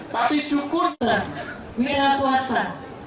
tapi syukurlah wira swasta